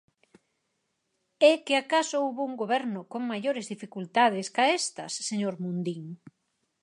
¿É que acaso houbo un goberno con maiores dificultades que estas, señor Mundín?